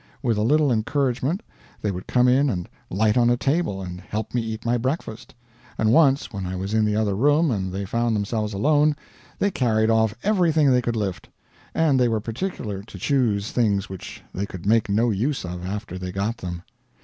With a little encouragement they would come in and light on the table and help me eat my breakfast; and once when I was in the other room and they found themselves alone, they carried off everything they could lift; and they were particular to choose things which they could make no use of after they got them.